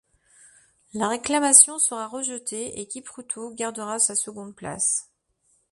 La reclamation sera rejetée et Kipruto gardera sa seconde place.